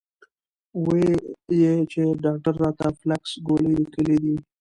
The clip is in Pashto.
وې ئې چې ډاکټر راته فلکس ګولۍ ليکلي دي -